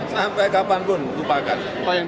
sampai kapanpun lupakan